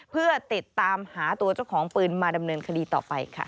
เพื่อติดตามหาตัวเจ้าของปืนมาดำเนินคดีต่อไปค่ะ